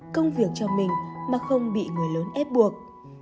công việc cho mình mà không bị người lớn ép buộc